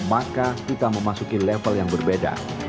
maka kita memasuki level yang berbeda